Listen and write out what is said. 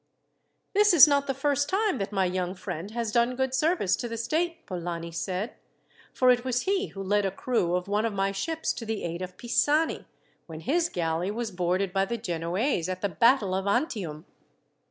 "This is not the first time that my young friend has done good service to the state," Polani said; "for it was he who led a crew of one of my ships to the aid of Pisani, when his galley was boarded by the Genoese, at the battle of Antium."